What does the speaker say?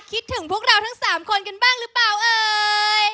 คิดถึงพวกเราทั้ง๓คนกันบ้างหรือเปล่าเอ่ย